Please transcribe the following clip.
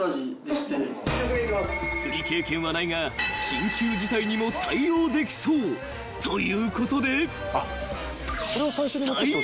［釣り経験はないが緊急事態にも対応できそうということで］